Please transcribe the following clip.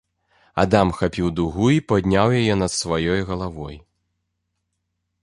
Адам хапіў дугу і падняў яе над сваёй галавой.